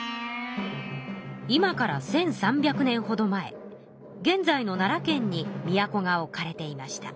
今から１，３００年ほど前現在の奈良県に都が置かれていました。